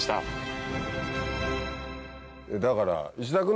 だから。